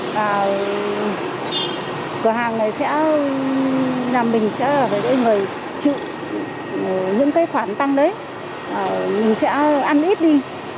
cửa hàng này sẽ làm mình trực những khoản tăng đấy mình sẽ ăn ít đi